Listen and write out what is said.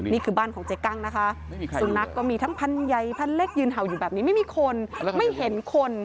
นี่คือบ้านของเจ๊กั้งนะคะสุนัขก็มีทั้งพันใยพันเล็กยืนเห่าอยู่แบบนี้ไม่มีคนไม่เห็นคน